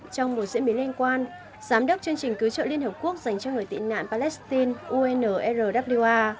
trong một diễn biến liên quan giám đốc chương trình cứu trợ liên hợp quốc dành cho người tị nạn palestine unrwar